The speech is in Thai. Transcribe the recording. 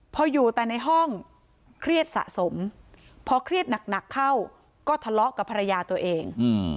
พออยู่แต่ในห้องเครียดสะสมพอเครียดหนักเข้าก็ทะเลาะกับภรรยาตัวเอง